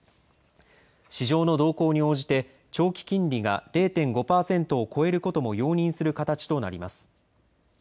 市場の動向に応じて、長期金利が０．５％を超えることも容認する形となります。